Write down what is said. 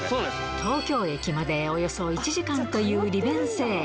東京駅までおよそ１時間という利便性。